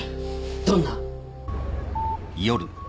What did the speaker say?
どんな？